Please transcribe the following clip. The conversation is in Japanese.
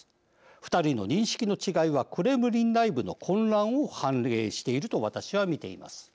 ２人の認識の違いはクレムリン内部の混乱を反映していると私は見ています。